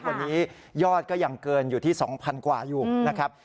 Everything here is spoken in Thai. วันนี้ยอดก็ยังเกินอยู่ที่๒๐๐๐กว่าอยู่นะครับ